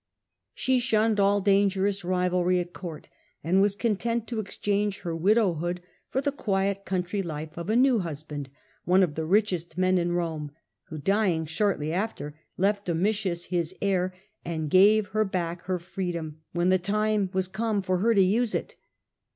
She shunned all dangerous rivalry at court, and was content to exchange her widowhood for the quiet country life of a new husband, one of the richest men in Rome, who, dying shortly after, left Domitius his heir, and gave her back her freedom when the time was come for her to use it.